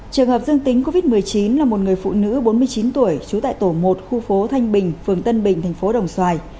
trường hợp dương tính covid một mươi chín là một người phụ nữ bốn mươi chín tuổi trú tại tổ một khu phố thanh bình phường tân bình thành phố đồng xoài